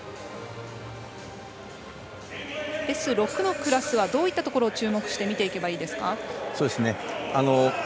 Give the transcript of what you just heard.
Ｓ６のクラスはどういったところを注目して見ていけばいいですか？